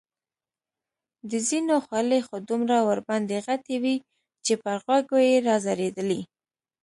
د ځینو خولۍ خو دومره ورباندې غټې وې چې پر غوږو یې را ځړېدلې.